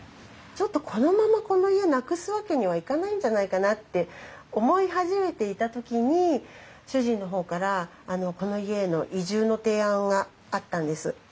ちょっとこのままこの家なくすわけにはいかないんじゃないかなって思い始めていた時に主人の方からこの家への移住の提案があったんです。